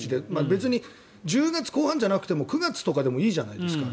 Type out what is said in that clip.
別に１０月後半じゃなくても９月とかでもいいじゃないですか。